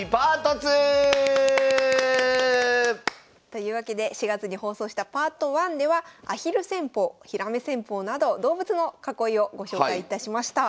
というわけで４月に放送したＰａｒｔ１ではアヒル戦法ひらめ戦法など動物の囲いをご紹介いたしました。